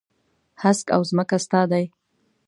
هسک او ځمکه ستا دي.